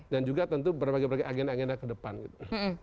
dan juga tentu berbagai bagai agenda agenda ke depan gitu